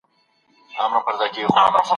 تاسي باید د ژبو د زده کړې لپاره ډېر تمرین وکړئ.